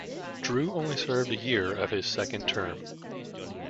Drew only served a year of his second term.